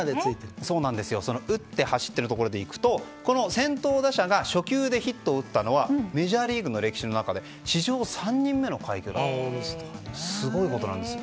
打って走っているところでいくと先頭打者が初球でヒットを打ったのはメジャーリーグの歴史の中で史上３人目の快挙なんだそうです。